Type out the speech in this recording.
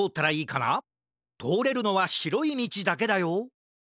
とおれるのはしろいみちだけだよ